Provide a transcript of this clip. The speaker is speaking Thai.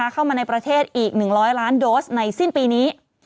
เข้ามาในประเทศอีก๑๐๐ล้านโดสในสิ้นปีนี้